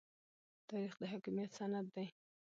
تاریخ د حاکمیت سند دی.